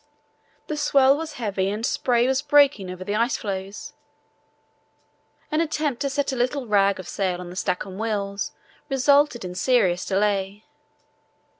The swell was heavy and spray was breaking over the ice floes. An attempt to set a little rag of sail on the Stancomb Wills resulted in serious delay.